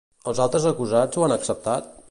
Els altres acusats ho han acceptat?